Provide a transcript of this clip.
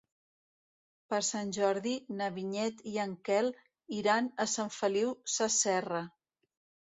Per Sant Jordi na Vinyet i en Quel iran a Sant Feliu Sasserra.